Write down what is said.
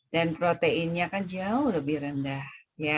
dan proteinnya kan jauh lebih rendah